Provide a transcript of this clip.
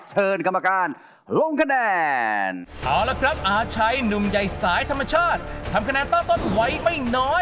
เชิญกรรมการลงคะแนน